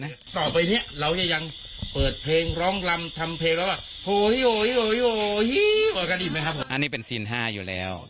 อันนี้เป็นทรีย์ประธานิดสองอยู่แล้ว